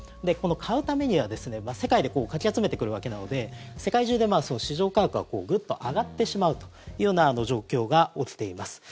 買うためには世界でかき集めてくるわけなので世界中で市場価格がグッと上がってしまうという状況が起きています。